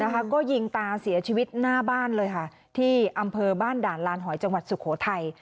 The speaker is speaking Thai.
ก็ยิงตาเสียชีวิตหน้าบ้านเลยค่ะที่อำเภอบ้านด่านลานหอยจังหวัดสุโขทัย